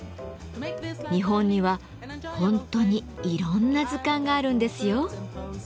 日本には本当にいろんな図鑑があるんですよ。